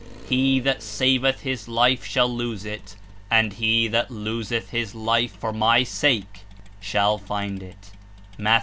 He that saveth his life shall lose it, and he that loseth his life for my sake shall find it/' (Matt.